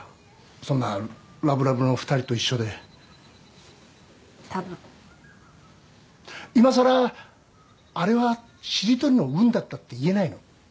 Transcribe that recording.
そんなラブラブの２人と一緒で多分今さらあれはしりとりの「うん」だったって言えないの？